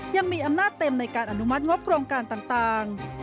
ยังมีอำนาจเต็มในการอนุมัติงบโครงการต่าง